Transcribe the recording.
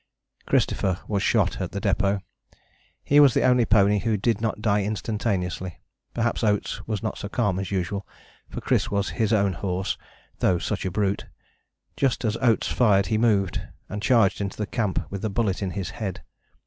Christopher was shot at the depôt. He was the only pony who did not die instantaneously. Perhaps Oates was not so calm as usual, for Chris was his own horse though such a brute. Just as Oates fired he moved, and charged into the camp with the bullet in his head.